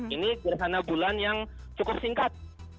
ini gerhana bulan yang cukup singkat